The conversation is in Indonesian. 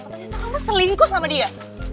ternyata selingkuh sama dia